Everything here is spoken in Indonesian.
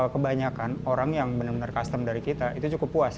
kebanyakan orang yang benar benar custom dari kita itu cukup puas